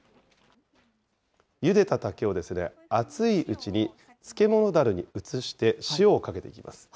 ゆでた竹を熱いうちに漬物だるに移して塩をかけていきます。